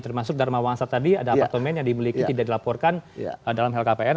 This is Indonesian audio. termasuk dharma wangsa tadi ada apartemen yang dimiliki tidak dilaporkan dalam lhkpn